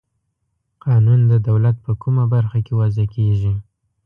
قانون د دولت په کومه برخه کې وضع کیږي؟